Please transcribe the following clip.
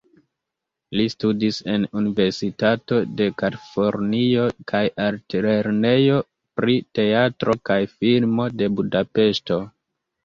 Li studis en Universitato de Kalifornio kaj Altlernejo pri Teatro kaj Filmo de Budapeŝto.